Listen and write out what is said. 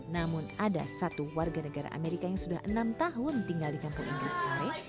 namun ada satu warga negara amerika yang sudah enam tahun tinggal di kampung inggris pare